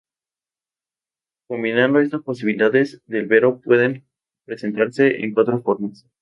Combinando estas posibilidades, el vero puede presentarse en cuatro formas.